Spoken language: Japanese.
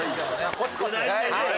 コツコツね。